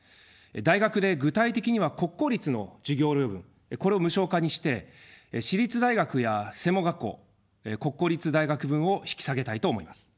大学で具体的には国公立の授業料分、これを無償化にして、私立大学や専門学校、国公立大学分を引き下げたいと思います。